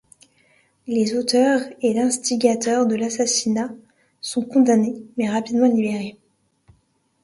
Les auteurs et l'instigateur de l'assassinat sont condamnés, mais rapidement libérés.